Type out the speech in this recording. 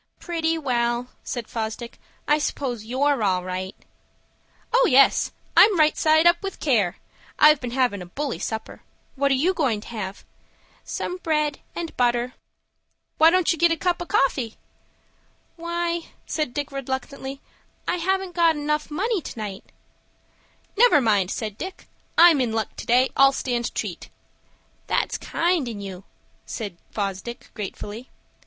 "Pretty well," said Fosdick. "I suppose you're all right." "Oh, yes, I'm right side up with care. I've been havin' a bully supper. What are you goin' to have?" "Some bread and butter." "Why don't you get a cup o' coffee?" "Why," said Fosdick, reluctantly, "I haven't got money enough to night." "Never mind," said Dick; "I'm in luck to day, I'll stand treat." "That's kind in you," said Fosdick, gratefully.